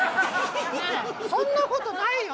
そんなことないよ